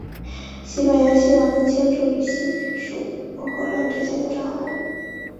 西班牙希望能清除与西属荷兰之间的障碍。